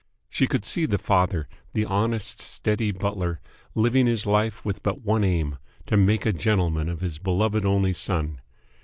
She could see the father, the honest steady butler, living his life with but one aim, to make a gentleman of his beloved only son.